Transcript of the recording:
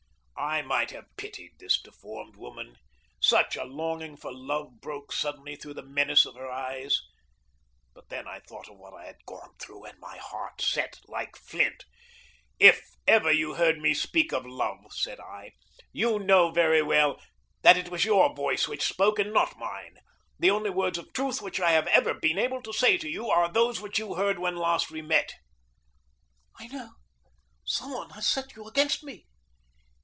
I might have pitied this deformed woman such a longing for love broke suddenly through the menace of her eyes. But then I thought of what I had gone through, and my heart set like flint. "If ever you heard me speak of love," said I, "you know very well that it was your voice which spoke, and not mine. The only words of truth which I have ever been able to say to you are those which you heard when last we met." "I know. Some one has set you against me.